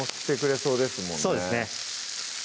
そうですね